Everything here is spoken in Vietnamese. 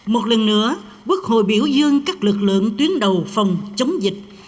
một lần nữa quốc hội biểu dương các lực lượng tuyến đầu phòng chống dịch